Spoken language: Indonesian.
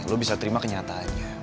lo bisa terima kenyataannya